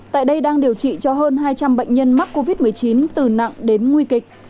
tại đây đang điều trị cho hơn hai trăm linh bệnh nhân mắc covid một mươi chín từ nặng đến nguy kịch